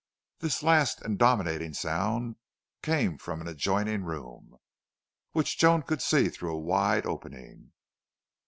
This last and dominating sound came from an adjoining room, which Joan could see through a wide opening.